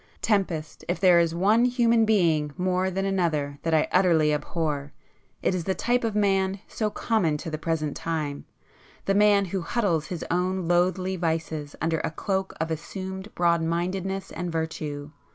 Tempest, if there is one human being more than another that I utterly abhor, it is the type of man so common to the present time, the man who huddles his own loathly vices under a cloak of assumed broad mindedness and virtue.